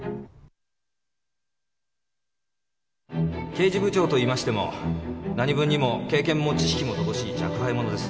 刑事部長といいましてもなにぶんにも経験も知識も乏しい若輩者です。